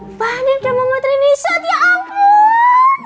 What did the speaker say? mbak anin udah mau maternity shot ya ampun